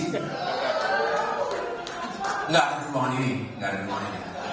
nggak ada hubungan ini